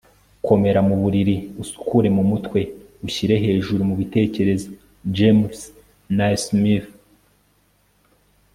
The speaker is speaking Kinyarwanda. komera mu mubiri, usukure mu mutwe, ushyire hejuru mu bitekerezo. - james naismith